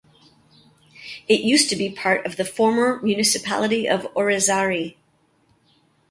It used to be part of the former municipality of Orizari.